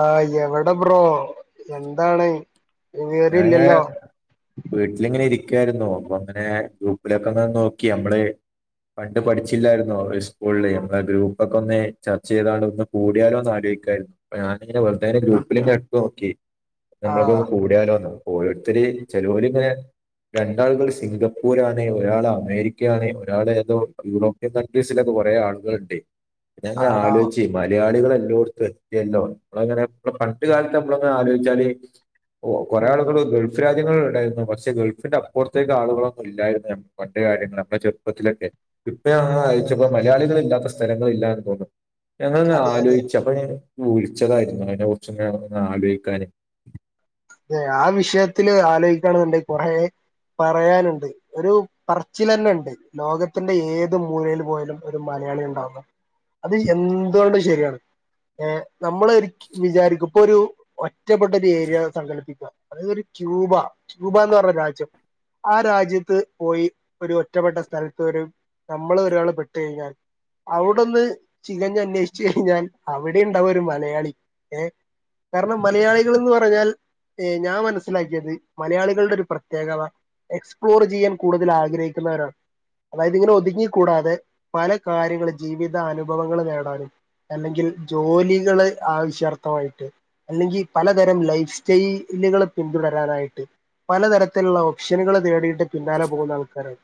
ആഹ് എവിടെ പ്രോ എന്താണ് ഞാനങ്ങെ വിവരല്ലല്ലോ വീട്ടിലിങ്ങനെ ഇരിക്ക അപ്പൊ അങ്ങനെ ഗ്രൂപ്പിലൊക്കെ ഒന്ന നോക്കി നമ്മള് പണ്ട് പഠിച്ചില്ലായിരുന്നോ സ്കൂളില് നമ്മ ഗ്രൂപ്പൊക്കെ ഒന്ന് ചർച്ച ചെയ്താണ്ട് ഒന്ന് കൂടിയാലോന്ന് ആലോഹിക്കാരരുന്നു അ ഞാനിങ്ങനെ വെറുതെെ ഗ്രൂപ്പിലി എടുപ്പ നോക്കി ഞങ്ങളൊ ആഹ് കൂ ാല ഓരോരുത്തർ ചെിലോര് രണ്ടാളുകൾ സിംഗപ്പൂർ ആാണ് ഒരാൾ അമേരിക്ക ആാണ് ഒരാൾ ഏതോ യൂറോപ്യൻ കൺട്രീസിലൊക്കെ കൊറെേ ആളുകൾുണ്ട് ങ്ങനെ ആടാ ആലോചിച്ച് മലയാളികളെ ല്ലോത്ത്ല്ലങ്ങനെ ഇ പണ്ട് കാലത്ത് നമ്മള ആലോചിച്ചാല് ഓ കൊറെ ഉം ആളുകൾ ഗൾഫ് രാജ കാര്യങ്ങൾ ഉണ്ടായിരുന്നു പക്ഷെ ഗൾഫിന്റെ അപ്പുറത്തേക്ക് ആളുകളൊന്നും ഇല്ലായിരുന്നു പണ്ട് കാര്യങ്ങള്ൾ നമ്മുടെ ചെറുപ്പത്തിലൊക്കെ ഇപ്പം അതെ അതെ അയച്ചപ്പോ മലയാളികള ഇല്ലാത്ത അവസരങ്ങളില്ലാ എന്ന് തോന്നുന്നു എന്ന ഞാ അതെ അതെ ആലോചിച്ച അപ്പൊ വിളിച്ചതായിരുന്നു അതിനെ കുറച്ച്ും ആലോചിക്കാനൻ ആ വിഷയത്തില് ആലോചിക്കണെന്നുണ്ട് കുറ പറയാനുണ്ട് ഒരു പറച്ചിൽ തന്നെ ഉണ്ട് ലോകത്തിന്റെ ഏത് മൂലയിൽ പോലും ഒരു മലയാളി ഉണ്ടാാവുന്നു അത് എന്തുകൊണ്ട് ശരിയാണ് ഏ നമ്മൾ ഒ വിചാരിക്കും ഇപ്പൊ ഒരു ഒറ്റപ്പെട്ട ഒരു ഏരിയ സങ്കടിപ്പിക്കുക അതായത് ഒരു ക്യൂബ ക്യൂബ എന്ന് പറഞ്ഞ രാജ്യം ആ രാജ്യത്ത് പോയി ഒരു ഒറ്റപ്പെട്ട സ്ഥലത്ത് വരെ നമ്മൾ ഒരാള് പെട്ട കഴിഞ്ഞാൽ അവിടെൊന്ന് ചികഞ്ഞ അന്വേഷിച്ചു കഴിഞ്ഞാൽ അവിടെ ഉണ്ടാവും ഒരു മലയാളി ഏ കാരണം മലയാളികൾന്ന് പറഞ്ഞാൽ ഞാൻ മനസ്സിലാക്കിയത് മലയാളികളുടെ ഒരു പ്രത്യേകത എക്സ്പ്ലോർ ചെയ്യാൻ കൂടുതൽ ആഗ്രഹിക്കുന്നവരാണ് അതായത് ഇങ്ങനെ ഒതുങ്ങിക്കൂടാതെ പല കാര്യങ്ങും ജീവിത അനുഭവങ്ങൾ നേടാനും അല്ലെങ്കിൽ ജോലികൾ ആവശ്യാർത്ഥമായിട്ട് അല്ലെങ്കിൽ പലതരം ലൈഫ് ചെയയിലുകൾ പിന്തുടരാനായിട്ട് പലതരത്തിലുള്ള ഓപ്ഷനുകൾ തേടിയിട്ട് പിന്നാലെ പോകുന്ന ആൾക്കാരാണ്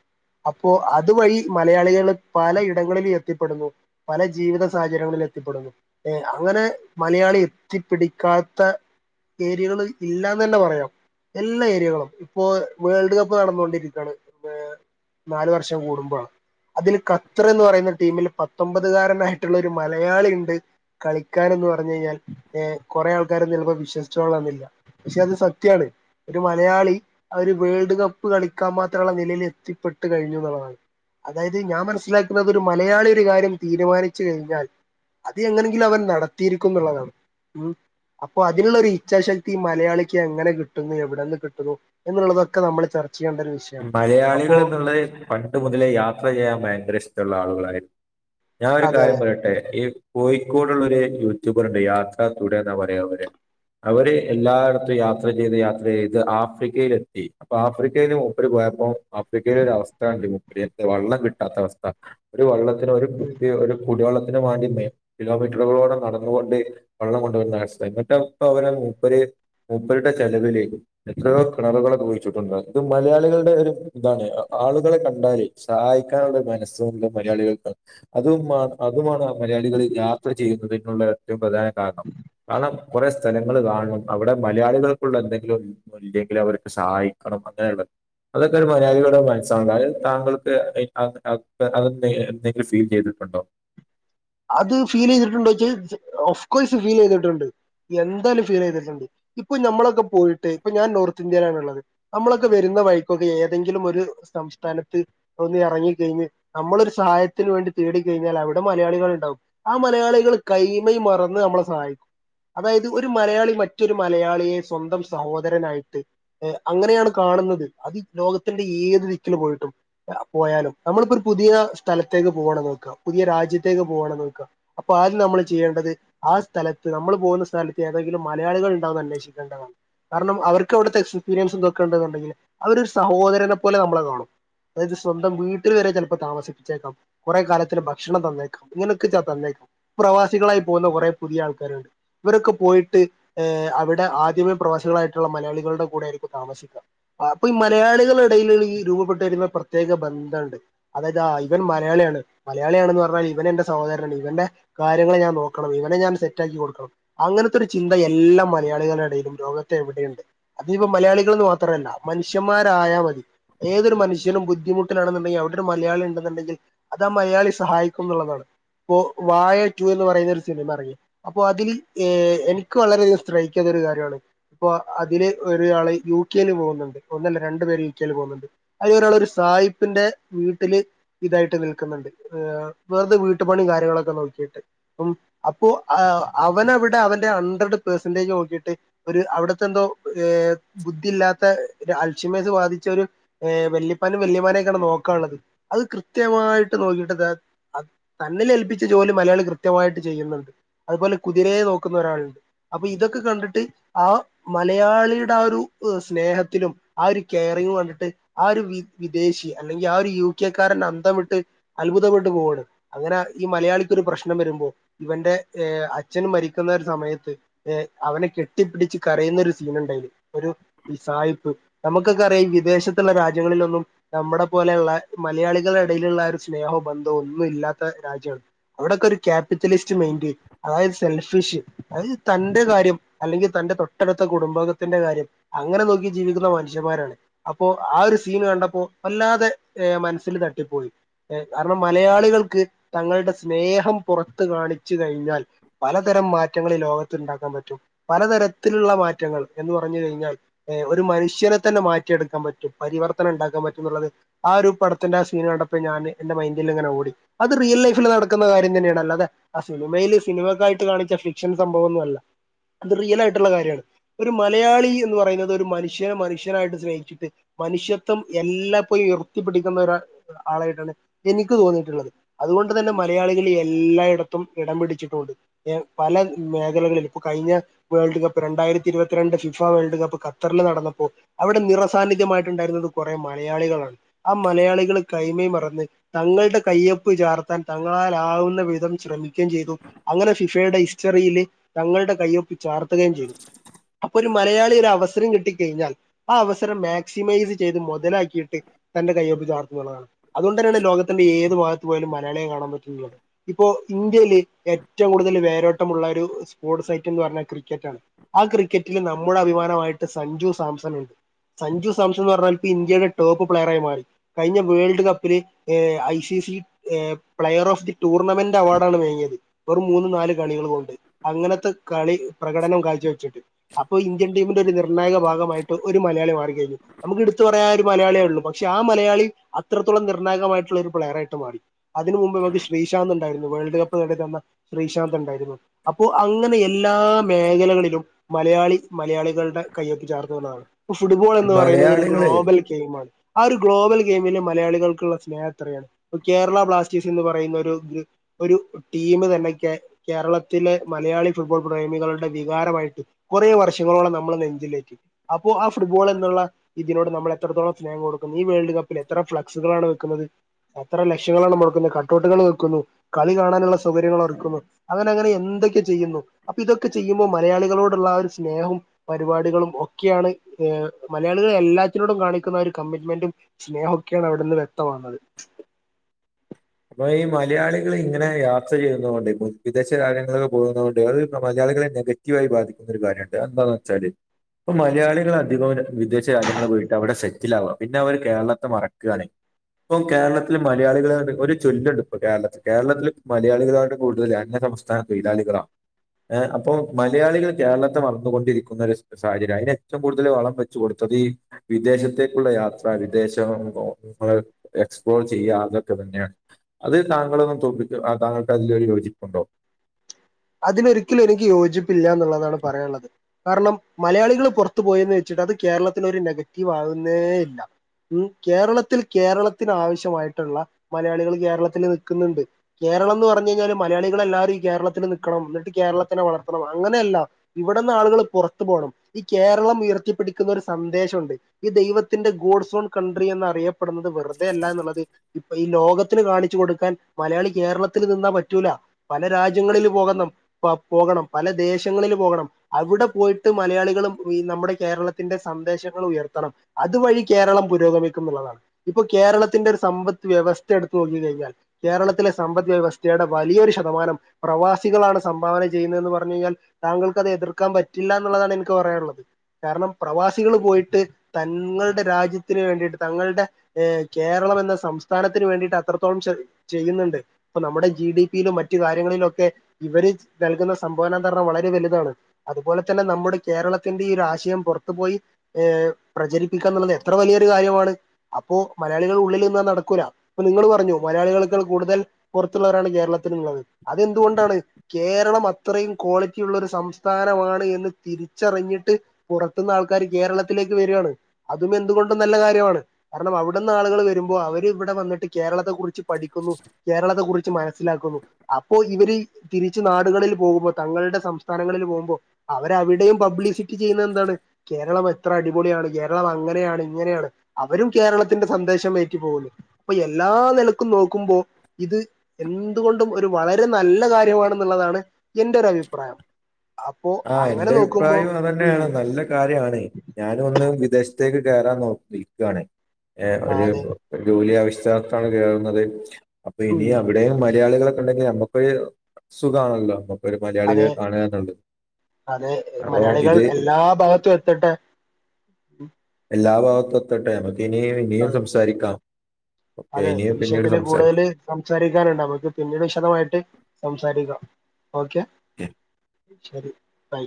അപ്പോ അതുവഴി മലയാളികൾ പലയിടങ്ങളിലും എത്തിപ്പെടുന്നു പല ജീവിത സാഹചര്യങ്ങളിൽ എത്തിപ്പെടുന്നു ഏർ അങ്ങനെ മലയാളി എത്തിപ്പിടിക്കാത്ത ഏരിയകള് ഇല്ലാന്ന് തന്നെ പറയാം എല്ലാ ഏരിയകളും ഇപ്പോൾ വേൾഡ് കപ്പ് നടന്നുകൊണ്ടിരിക്കുകയാണ്ഏ നാലു വർഷം കൂടുമ്പോഴാണ് അതിൽ ഖത്തറ് എന്ന് പറയുന്ന ടീമിൽ പത്തൊമ്പതുകാരനായിട്ടുള്ള ഒരു മലയാളി ഉണ്ട് കളിക്കാനെന്ന് പറഞ്ഞു കഴിഞ്ഞാൽ ഏ കൊറേ ആൾക്കാര് ചിലപ്പോ വിശ്വസി ച്ചോളണംന്നില്ല പക്ഷെ അത് സത്യാണ് ഒരു മലയാളി അവര് വേൾഡ് കപ്പ് കളിക്കാൻ മാത്രമുള്ള നിലയിലെത്തിപ്പെട്ടു കഴിഞ്ഞു എന്നുള്ളതാണ് അതായത് ഞാൻ മനസ്സിലാക്കുന്നത് ഒരു മലയാളി ഒരു കാര്യം തീരുമാനിച്ചു കഴിഞ്ഞാൽ അത് എങ്ങനെങ്കിലും അവർ നടത്തിയിരിക്കും എന്നുള്ളതാണ് ഉം അപ്പോ അതിനുള്ളൊരു ഇച്ചാശക്തി ഈ മലയാളിക്ക് എങ്ങനെ കിട്ടുന്നു എവിടെന്ന് കിട്ടുന്നു എന്നുള്ളതൊക്കെ നമ്മൾ ചർ മലയാളികൾ എന്നുള്ളത് പണ്ട് മുതലേ യാത്ര ചെയ്യാൻ ഭയങ്കര ഇഷ്ടമുള്ള ആളുകളായിരുന്നു ഞാനൊരു അതെ അതെ കാര്യം പറയട്ടെ ഈ കോഴിക്കോടുള്ളൊരു യൂട്യുബറ്ണ്ട് യാത്ര റ്റുടെ എന്നാ പറയാ അവരെ അവര് എല്ലായിടത്തും യാത്ര ചെയ്ത് യാത്ര ചെയ്ത് ആഫ്രിക്കയിലെത്തി അപ്പൊ ആഫ്രിക്കയില് ര് പോയപ്പോ ആഫ്രിക്കയിലൊരവസ്ഥ കണ്ടീനുമുപ്പര്ക്കു വെള്ളം കിട്ടാത്ത അവസ്ഥ ഒരു വള്ളം ഒരു ഉം കുട്ടി ഒരു കുടിവെള്ള വാണ്ടീട്ടെ കിലോമീറ്ററുകളോളം നടന്നുകൊണ്ട് വെള്ളം കൊണ്ടുവരുന്നവസ്ഥ ന്നട്ട്പ്പവര മൂപ്പര് മ്മൂപ്പർടെ ചെലവില് എത്രയോ കിണറുകളൊക്കെ കുഴിച്ചിട്ടുണ്ട് ഇത് മലയാള ആളുടെ ഒരു ഇതാണ് ആളുകളെ കണ്ടാലെയ് സഹായിക്കാനുള്ളൊരു മനസ്സണ്ട് മലയാളികൾക്ക് അതുമാണ് അതുമാണ് മലയാളികളിൽ യാത്ര ചെയ്യുന്നതിനുള്ള ഏറ്റവും പ്രധാന കാരണം കാരണം കുറെേ സ്ഥലങ്ങൾ കാണണം അവിടെ മലയാളികൾക്കുള്ള എന്തെങ്കിലും ഇല്ലെങ്കിലും അവർക്ക് സഹായിക്കണം അങ്ങനെയുള്ള അതൊക്കെ ഒരു മലയാളികളുടെ മനസ്സോണ്ടാ താങ്കൾക്ക് അത എന്തെങ്കിലും ഫീൽ ചെയ്തിട്ടുണ്ടോ അത് ഫീൽ ചെയ്തിട്ടുണ്ട്ച്ചാൽ ഒഫ്കോഴ്സ് ഫീൽ ചെയ്തിട്ടുണ്ട് എന്താലും ഫീൽ ചെയ്തിട്ടുണ്ട് ഇപ്പൊ നമ്മളൊക്കെ പോയിട്ട് ഇപ്പൊ ഞാൻ നോർത്ത് ഇന്ത്യയിലാണുള്ളത് നമ്മളൊക്കെ വരുന്ന വഴിക്കൊക്കെ ഏതെങ്കിലും ഒരു സംസ്ഥാനത്ത് ഒന്ന് ഇറങ്ങിക്കഴിഞ്ഞ് നമ്മളൊരു സഹായത്തിന് വേണ്ടി തേടിക്കഴിഞ്ഞാൽ അവിടെ മലയാളികൾ ണ്ടാവും ആ മലയാളികള് കൈമയ് മറന്ന് നമ്മളെ സഹായിക്കും അതായത് ഒരു മലയാളി മറ്റൊരു മലയാളിയെ സ്വന്തം സഹോദരനായിട്ട് അങ്ങനെയാണ് കാണുന്നത് അത് ലോകത്തിന്റെ ഏത് ദിക്കിൽ പോയിട്ടും പോയാലും നമ്മളിപ്പോ ഒരു പുതിയ സ്ഥലത്തേക്ക് പോകാണെന്ന് വക്കാ പുതിയ രാജ്യത്തേക്ക് പോവാണെന്ന് വക്കാ അപ്പൊ ആദ്യം നമ്മൾ ചെയ്യേണ്ടത് ആ സ്ഥലത്ത് നമ്മൾ പോകുന്ന സ്ഥലത്ത് ഏതെങ്കിലും മലയാളികൾ ഉണ്ടോന്ന് അന്വേഷിക്കേണ്ടതാണ് കാരണം അവർക്ക് അവിടുത്തെ എക്സ്പീരിയൻസും തൊക്കെണ്ട്‌ന്നുണ്ടെങ്കിൽ അവര് ഒരു സഹോദരനെ പോലെ നമ്മളെ കാണും അതായത് സ്വന്തം വീട്ടില് വരെ ചിലപ്പോ താമസിപ്പിച്ചേക്കാം കുറെ കാലത്തിന് ഭക്ഷണം തന്നേക്ക ക്കാം ഇങ്ങനെയൊക്കെ തന്നേക്കാം പ്രവാസികളായി പോകുന്ന കുറേ പുതിയ ആൾക്കാരുണ്ട് ഇവരൊക്കെ പോയിട്ട് അവിടെ ആദ്യമേ പ്രവാസികളായിട്ടുള്ള മലയാളികളുടെ കൂടെയായിരിക്കും താമസിക്ക അപ്പൊ ഈ മലയാളികളെ എടയിൽ ഈ രൂപപ്പെട്ടു വരുന്ന പ്രത്യേക ബന്ധണ്ട് അതായത് ആ ഇവൻ മലയാളിയാണ് മലയാളിയാണെന്ന് പറഞ്ഞാൽ ഇവൻ എന്റെ സഹോദരനാണ് ഇവന്റെ കാര്യങ്ങളെ ഞാൻ നോക്കണം ഇവനെ ഞാൻ സെറ്റാക്കി കൊടുക്കണം അങ്ങനത്തെ ഒരു ചിന്ത എല്ലാ മലയാളികളുടെ ഇടയിലും ലോകത്ത് എവിടെയുംണ്ട് അതിനിപ്പോ മലയാളികൾന്ന് മാത്രമല്ല മനുഷ്യമാരായൽ മതി ഏതൊരു മനുഷ്യനും ബുദ്ധിമുട്ടിലാണെന്നുണ്ടെങ്കിൽ അവിടെ ഒരു മലയാളി ഉണ്ടെന്നുണ്ടെങ്കിൽ അത് ആ മലയാളി സഹായി ക്കുംന്നുള്ളതാണ് പ്പൊ ഇ വായ ടു എന്ന് പറയുന്ന ഒരു സിനിമ അറങ്ങി അപ്പോ അതില് എനിക്ക് വളരെയധികം സ്രയ്ക് ചെയ്ത ഒരു കാര്യാണ് ഇപ്പോ അതില് ഒരാള് യു കെല് പോകുന്നുണ്ട് ഒന്നല്ല രണ്ടു പേര് യു കെൽ പോകുന്നുണ്ട് അതിലൊരാൾ ഒരു സായിപ്പിന്റെ വീട്ടില് ഇതായിട്ട് നിൽക്കുന്നുണ്ട് വെർതെ വീട്ടുപണി കാര്യങ്ങളൊക്കെ നോക്കിയിട്ട് പ്പം അപ്പോ അവനവിടെ അവന്റെ ഹൺഡ്രഡ് പെർസെന്റെജ് നോക്കിട്ട് ഒരു അവിടുത്തെ എന്തോ ഏഹ് ബുദ്ധിയില്ലാത്ത ഒരു അൽഷിമേസ് ബാധിച്ച ഒരു വല്ലിപ്പാനും വല്ലിമ്മാനിയൊക്കെണ് നോക്കാണ് അത് കൃത്യമായിട്ട് നോക്കിയിട്ട് തന്നിൽ ഏൽപ്പിച്ച ജോലി മലയാളി കൃത്യമായിട്ട് ചെയ്യുന്നുണ്ട് അതുപോലെ കുതിരയെ നോക്കുന്ന ഒരാളുണ്ട് അപ്പൊ ഇതൊക്കെ കണ്ടിട്ട് ആ മലയാളിയുടെ ആ ഒരു സ്നേഹത്തിലും ആ ഒരു കെയറിങ്ങും കണ്ടിട്ട് ആ ഒരു വി വിദേശി അല്ലെങ്കിൽ ആ ഒരു യു കെ കാരൻ അന്തവിട്ട് അത്ഭുതപ്പെട്ട് പോവാണ് അങ്ങനെ ഈ മലയാളിക്കൊരു പ്രശ്നം വരുമ്പോ ഇവന്റെ അച്ഛനും മരിക്കുന്ന ഒരു സമയത്ത് അവനെ കെട്ടിപ്പിടിച്ച് കരയുന്ന ഒരു സീന്ണ്ടയില് ഒരു സായിപ്പ് നമുക്കൊക്കെ അറിയാം ഈ വിദേശത്തുള്ള രാജ്യങ്ങളിലൊന്നും നമ്മുടെ പോലെയുള്ള മലയാളികളെ എടയില്ള്ള ഒരു സ്നേഹ ബന്ധ ഒന്നും ഇല്ലാത്ത രാജ്യമാണ് അവിടൊക്കെ ഒരു ക്യാപിറ്റലിസ്റ്റ് മൈന്റ് ചെയ്യും അതായത് സെൽഫിഷ് അതായത് തന്റെ കാര്യം അല്ലെങ്കിൽ തന്റെ തൊട്ടടുത്ത കുടുംബത്തിന്റെ കാര്യം അങ്ങനെ നോക്കി ജീവിക്കുന്ന മനുഷ്യമാരാണ് അപ്പോ ആ ഒരു സീൻ കണ്ടപ്പോ വല്ലാതെ മനസ്സില് തട്ടിപ്പോയി കാരണം മലയാളികൾക്ക് തങ്ങളുടെ സ്നേഹം പുറത്ത് കാണിച്ചു കഴിഞ്ഞാൽ പലതരം മാറ്റങ്ങൾ ഈ ലോകത്തി ഉണ്ടാക്കാൻ പറ്റും പലതരത്തിലുള്ള മാറ്റങ്ങൾ എന്ന് പറഞ്ഞു കഴിഞ്ഞാൽ ഒരു മനുഷ്യനെ തന്നെ മാറ്റിയെടുക്കാൻ പറ്റും പരിവർത്തനം ഉണ്ടാക്കാൻ പറ്റുംന്നുള്ളത് ആ ഒരു പടത്തിന്റെ ആ സീൻ കണ്ടപ്പോൾ ഞാന് എന്റെ മൈൻഡിലിങ്ങനെ ഓടി അത് റിയൽ ലൈഫില് നടക്കുന്ന കാര്യം തന്നേണല്ലാതെ ആ സിനിമയിയില് സിനിമക്കായിട്ട് കാണിച്ച ഫിക്ഷൻ സംഭവൊന്നല്ല അത് റിയൽ ആയിട്ടുള്ള കാര്യമാണ് ഒരു മലയാളി എന്ന് പറയുന്നത് ഒരു മനുഷ്യനെ മനുഷ്യനായിട്ട് സ്നേഹിച്ചിട്ട് മനുഷ്യത്വം എല്ലാപ്പോഴും ഉയർത്തി പിടിക്കുന്ന ഒരു ആളായിട്ടാണ് എനിക്ക് തോന്നിയിട്ടുള്ളത് അതുകൊണ്ട് തന്നെ മലയാളികള് എല്ലായിടത്തും ഇടം പിടിച്ചിട്ടുണ്ട് ഏ പല മേഖലകളിൽ ഇപ്പൊ കഴിഞ്ഞ വേൾഡ് കപ്പ് രണ്ടായിരത്തി ഇരുപത്തിരണ്ട് ഫിഫ വേൾഡ് കപ്പ് ഖത്തറില് നടന്നപ്പോ അവിടെ നിറസാന്നിദ്ധ്യമായിട്ടുണ്ടായിരുന്നത് കുറെ മലയാളികളാണ് ആ മലയാളികള് കൈമെയ് മറന്ന് തങ്ങളുടെ കയ്യൊപ്പ് ചാർത്താൻ തങ്ങളാലാവുന്ന വിധം ശ്രമിക്കുകയും ചെയ്തു അങ്ങനെ ഫിഫയുടെ ഹിസ്റ്ററിയില് തങ്ങളുടെ കയ്യൊപ്പ് ചാർത്തുകയും ചെയ്തു പ്പൊരു മലയാളി ഒരു അവസരം കിട്ടിക്കഴിഞ്ഞാൽ ആ അവസരം മാക്സിമൈസ് ചെയ്ത് മുതലാക്കിയിട്ട് തന്റെ കയ്യൊപ്പ് ചാർത്തുംന്നുള്ളതാണ് അതുകൊണ്ട് തന്നാണ് ലോക ന്റെ ഏത് ഭാഗത്തു പോയാലും മലയാളിയെ കാണാൻ പറ്റുന്നുത് ഇപ്പോ ഇന്ത്യയില് ഏറ്റവും കൂടുതൽ വേരോട്ടമുള്ള ഒരു സ്പോർട്സ് ഐറ്റം എന്ന് പറഞ്ഞാ ക്രിക്കറ്റ് ആണ് ആ ക്രിക്കറ്റില് നമ്മുടെ അഭിമാനമായിട്ട് സഞ്ജു സാംസൺ ഉണ്ട് സഞ്ജു സാംസൺ എന്ന് പറഞ്ഞാൽ പ്പൊ ഇന്ത്യയുടെ ടോപ്പ് പ്ലെയറായി മാറി കഴിഞ്ഞ വേൾഡ് കപ്പില് I C C player of the tournament അവാർഡാണ് വേങ്ങിയത് വെറും മൂന്നും നാലും കളികൾ കൊണ്ട് അങ്ങനത്തെ കളി പ്രകടനം കാഴ്ചവെച്ചിട്ട് അപ്പ ഇന്ത്യൻ ടീമിന്റെ ഒരു നിർണായക ഭാഗമായിട്ട് ഒരു മലയാളി മാറി നമുക്ക് എടുത്ത് പറയാൻ ഒരു മലയാളിയേ ഉള്ളൂ പക്ഷെ ആ മലയാളി അത്രത്തോളം നിർണായകമായിട്ട് ട്ടുള്ളൊരു പ്ലെയർ ആയിട്ട് മാറി അതിന് മുമ്പ് മക്ക് ശ്രീശാന്ത് ഉണ്ടായിരുന്നു വേൾഡ് കപ്പ് നേടി തന്ന ശ്രീശാന്ത് ഉണ്ടായിരുന്നു അപ്പോ അങ്ങനെ എല്ലാ മേഖലകളിലും മലയാളി മലയാളികളുടെ കയ്യൊപ്പ് ചാർത്തുന്നുള്ളതാണ് പ്പൊ ഫുട്ബോൾ ഈ എന്ന് പറയുന്നത് ഒരു മലയാളികള് ഗ്ലോബൽ ഗെയിമാണ് ആ ഒരു ഗ്ലോബൽ ഗെയിമില് മലയാളികൾക്കുള്ള സ്നേഹ [unintelligible] കേരള ബ്ലാസ്റ്റേഴ്സ് എന്ന് പറയുന്ന ഒരു ഒരു ഒരു ടീമ് തന്നെ കേ കേരളത്തിലെ മലയാളി ഫുട്ബോൾ പ്രേമികളുടെ വികാരമായിട്ട് കൊറേ വർഷങ്ങളോളം നമ്മള് നെഞ്ചിലേറ്റി അപ്പോ ആ ഫുട്ബോൾ എന്നുള്ള ഇതിനോട് നമ്മൾ എത്രത്തോളം സ്നേഹം കൊടുക്കുന്നു ഈ വേൾഡ് കപ്പില് എത്ര ഫ്ലക്സുകളാണ് വെക്കുന്നത് എത്ര ലക്ഷങ്ങളാണ് മുടക്കുന്നേ കട്ട് ഔട്ടുകൾ വെക്കുന്നു കളി കാണാനുള്ള സൗകര്യങ്ങൾ എറക്കുന്നു. അങ്ങനെ അങ്ങനെ എന്തൊക്കെ ചെയ്യുന്നു അപ്പൊ ഇതൊക്കെ ചെയ്യുമ്പോൾ മലയാളികളോടുള്ള ആ ഒരു സ്നേഹവും പരിപാടികളും ഒക്കെയാണ് ഏ മലയാളികളെ എല്ലാത്തിനോടും കാണിക്കുന്ന ഒരു കമ്മിറ്റ്മെന്റും സ്നേഹമൊക്കെയാണ് അവിടെന്ന് വ്യക്തമാകുന്നത്. [unintelligible] ഈ മലയാളികള് ഇങ്ങനെ യാത്ര ചെയ്യുന്നതുകൊണ്ട് വിദേശ രാജ്യങ്ങളിൽ പോകുന്നതു കൊണ്ട് അത് മലയാളികളെ നെഗറ്റീവായി ബാധിക്കുന്ന ഒരു കാര്യണ്ട് എന്താന്ന് വെച്ചാല് ഇപ്പ മലയാളികള് അധികോം വിദേശ രാജ്യങ്ങളിൽ പോയിട്ട് അവിടെ സെ [unintelligible] പിന്നെ അവര് കേരളത്തെ മറക്കുകയാണ് ഇപ്പം കേരളത്തില് മലയാളികള് ഒരു ചൊല്ലുണ്ട് ഇപ്പ കേരളത്തി, കേരളത്തില് മലയാളികളെ കാട്ടില് കൂടുതൽ അന്യ സംസ്ഥാന തൊഴിലാളികളാണ് ഏഹ് അപ്പൊ മലയാളികൾ കേരളത്തെ മറന്നുകൊണ്ടിരിക്കുന്ന ഒരു സാഹചര്യം അയി അതിനു [unintelligible] കൂടുതൽ വളം വെച്ചു കൊടുത്തത് ഈ വിദേശത്തേക്കുള്ള യാത്ര വിദേശം [unintelligible] എക്സ്പ്ലോർ ചെയ്യാ അതൊക്കെ തന്നെയാണ് അത് താങ്കളൊന്നു തോപ്പിക്ക താങ്കൾക്ക് അതിലൊരു യോജിപ്പുണ്ടോ അതിലൊരിക്കലും എനിക്ക് യോജി [unintelligible] എന്നുള്ളതാണ് പറയാള്ളത് കാരണം മലയാളികള് പൊറത്തു പോയെന്ന് വെച്ചിട്ട് അത് കേരളത്തിൽ ഒരു നെഗറ്റീവ് ആകുന്നേ ഇല്ല. ഉം കേരളത്തിൽ, കേരളത്തിന് ആവശ്യമായിട്ടുള്ള മലയാളികൾ കേരളത്തല് നിക്കുന്നുണ്ട്. കേരളം എന്ന് പറഞ്ഞു കഴിഞ്ഞാൽ മലയാളികൾ എല്ലാവരും ഈ കേരളത്തിൽ നി [unintelligible] എന്നിട്ട് കേരളത്തിനെ വളർത്തണം അങ്ങനെയല്ല ഇവിടന്ന് ആളുകൾ പുറത്തു പോകണം ഈ കേരളം ഉയർത്തിപ്പിടിക്കുന്ന ഒരു സന്ദേശമുണ്ട് ഈ ദൈവത്തിന്റെ ഗോഡ്സ് ഓൺ കൺട്രി എന്നറിയ [unintelligible] വെറുതെയല്ല എന്നുള്ളത് ഈ ലോകത്തിന് കാണിച്ചു കൊടുക്കാൻ മലയാളി കേരളത്തിൽ നിന്നാ പറ്റൂല പല രാജ്യങ്ങളിൽ പോക [unintelligible] പ പോകണം പല ദേശങ്ങളിൽ പോകണം അവിടെ പോയിട്ട് മലയാളികളും ഈ നമ്മുടെ കേരളത്തിന്റെ സന്ദേശങ്ങൾ ഉയർത്തണം അതുവഴി കേരളം പുരോഗമിക്കും എന്നുള്ളതാണ് ഇപ്പൊ കേരളത്തിന്റെ ഒരു സമ്പദ് വ്യവസ്ഥ എടുത്തു നോക്കി കഴിഞ്ഞാൽ കേരളത്തിലെ സമ്പദ് വ്യവസ്ഥയുടെ വലിയൊരു ശതമാനം പ്രവാസ് [unintelligible] സംഭാവന ചെയ്യുന്നതെന്ന് പറഞ്ഞു കഴിഞ്ഞാൽ താങ്കൾക്ക് അത് എതിർക്കാൻ പറ്റില്ല എന്നുള്ളതാണ് എനിക്ക് പറയാനുള്ളത്. കാരണം പ്രവാസികൾ പോയിട്ട് തങ്ങളുടെ രാജ്യത്തിന് വേണ്ടിട്ട് തങ്ങളുടെ ഏ കേരളം എന്ന സംസ്ഥാനത്തിന് വേണ്ടിയിട്ട് അത്രത്തോളം ചെ ചെയ്യുന്നുണ്ട്. ഇപ്പൊ നമ്മുടെ ജി ഡി പിയിലും മറ്റു കാര്യങ്ങളിലുമൊക്കെ ഇവര് നൽകുന്ന സംഭാവന എന്നു പറഞ്ഞാ വളരെ വലുതാണ് അതുപോലെ തന്നെ നമ്മുടെ കേരളത്തിന്റെ ഈ ഒരു ആശയം പുറത്തു പോയി ഏ പ്രചരിപ്പിക്കാ എന്നുള്ളത് എത്ര വലിയൊരു കാര്യമാണ് അപ്പോ മലയാളികൾ ഉള്ളിൽ നിന്നാ നടക്കൂല ഇപ്പൊ നിങ്ങള് പറഞ്ഞു മലയാളികളെക്കാൾ കൂടുതൽ പുറത്തുള്ളവരാണ് കേരളത്തിലുള്ളത് അതെന്തുകൊണ്ടാണ്? കേരളം അത്രയും ക്വാളിറ്റി ഉള്ളൊരു സംസ്ഥാനമാണ് എന്ന് തിരിച്ചറിഞ്ഞിട്ട് പുറത്തുന്നു ആൾക്കാര് കേരളത്തിലേക്ക് വരാണ്. അതും എന്തുകൊണ്ടും നല്ല കാര്യമാണ് കാരണം അവിടുന്ന് ആളുകൾ വരുമ്പോൾ അവര് ഇവിടെ വന്നിട്ട് കേരളത്തെ കുറിച്ച് പഠിക്കുന്നു. കേരളത്തെ കുറിച്ച് മനസ്സിലാക്കുന്നു അപ്പോ ഇവര് തിരിച്ചു നാടുകളിൽ പോകുമ്പോ തങ്ങളുടെ സംസ്ഥാനങ്ങളിൽ പോകുമ്പോ അവ അവിടെയും പബ്ലിസിറ്റി ചെയ്യുന്ന എന്താണ് കേരളം എത്ര അടിപൊളിയാണ് കേരളം അങ്ങനെയാണ് ഇങ്ങനെയാണ് അവരും കേരളത്തിന്റെ സന്ദേശം വയറ്റി പോകുന്നു അപ്പൊ എല്ലാ നിലക്കും നോക്കുമ്പോ ഇത് എന്തുകൊണ്ടും ഒരു വളരെ നല്ല കാര്യ ണുള്ളതാണ് എന്റെ ഒരു അഭിപ്രായം അപ്പോ ആഹ് അങ്ങനെ എന്റെ നോക്കുമ്പോ അഭിപ്രായവും ഉം അതന്നെയാണ് നല്ല കാര്യാണ് ഞാനും ഒന്ന് വിദേശത്തേക്ക് കേറാൻ നോക്കി നിൽക്കയാണേ ഏ ഒരു അതെ ജോലി ആവശ്യ ത്താണ് കയറുന്നത് അപ്പൊ ഇനി ഉം അവിടെ മലയാളികളൊ ണ്ടെങ്കിൽ നമുക്ക് ഒരു സുഖമാണല്ലോ അപ്പൊ ഒരു മലയാളിനെ അതെ കാണുക എന്നുണ്ട് അതെ മലയാളികൾ എല്ലാ ഭാഗത്തും എത്തട്ടെ ലാ ആ ഭാഗത്തു എത്തട്ടേന്ന് അതെ ഓക്കെ അതെ ഇനിയും ഈ പിന്നീട് വിഷയത്തില് കൂടുതൽ സംസാരിക്കാം. സംസാരിക്കാനുണ്ട് നമുക്ക് പിന്നീട് വിശദമായിട്ട് സംസാരിക്കാം ഓക്കെ ക്കെ ശരി ബൈ